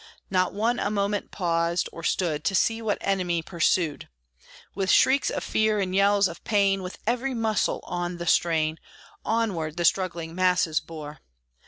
Not one a moment paused, or stood To see what enemy pursued. With shrieks of fear, and yells of pain, With every muscle on the strain, Onward the struggling masses bore.